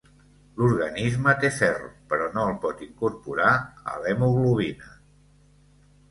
L'organisme té ferro però no el pot incorporar a l'hemoglobina.